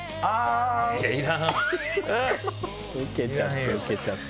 「ウケちゃってウケちゃってもう」